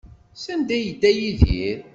Sanda ay yedda Yidir?